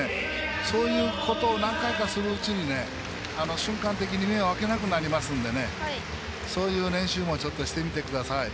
そういうことを何回かするうちに瞬間的に目を開けなくなりますのでそういう練習もしてみてください。